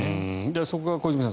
そこが小泉さん